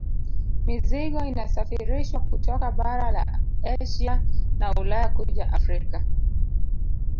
Mizigo inasafirishwa kutoka bara la Asia na Ulaya kuja Afrika